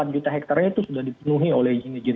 lima empat juta hektarnya itu sudah dipenuhi oleh izin izin